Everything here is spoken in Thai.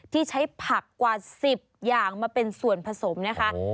ที่ใช้ผักกว่า๑๐อย่างมาเป็นส่วนผสมนะคะ